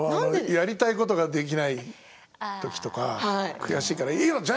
やりたいことができないときとか悔しいからいいよ！